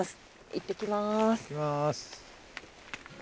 いってきます。